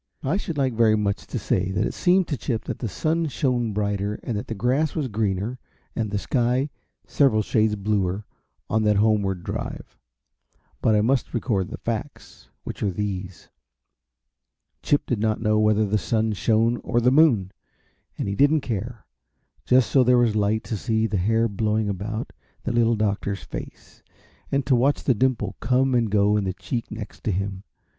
I should like very much to say that it seemed to Chip that the sun shone brighter, and that the grass was greener, and the sky several shades bluer, on that homeward drive but I must record the facts, which are these: Chip did not know whether the sun shone or the moon, and he didn't care just so there was light to see the hair blowing about the Little Doctor's face, and to watch the dimple come and go in the cheek next him.